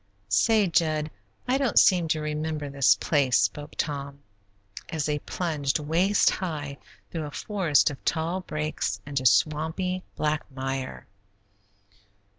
"Say, Jud, I don't seem to remember this place," spoke Tom, as they plunged waist high through a forest of tall brakes into swampy, black mire.